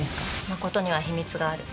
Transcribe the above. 真琴には秘密がある。